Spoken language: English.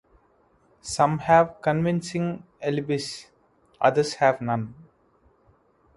Some have convincing alibis, others have none.